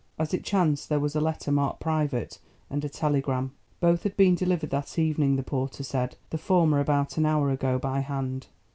As it chanced there was a letter, marked "private," and a telegram; both had been delivered that evening, the porter said, the former about an hour ago by hand.